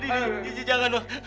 nanti jangan dong